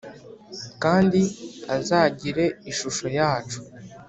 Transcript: kandi azagire ishusho yacu